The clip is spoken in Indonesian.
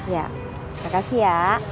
ya makasih ya